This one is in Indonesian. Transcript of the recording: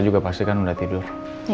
rumah tersekendara g digerita